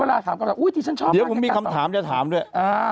ว่าดีฉันชอบน่ะไอจ๊ะนะต่อเอานะฮะเดี๋ยวผมมีคำถามเราก็จะถามด้วย